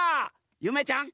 ゆめちゃん